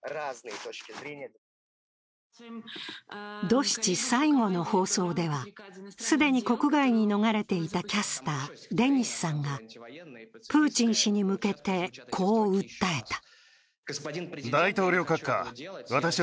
ドシチ最後の放送では、既に国外に逃れていたキャスター、デニスさんがプーチン氏に向けてこう訴えた。